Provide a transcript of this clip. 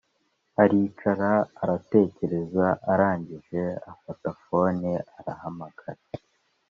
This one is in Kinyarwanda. aricara aratekereza arangije afata fone arahamagara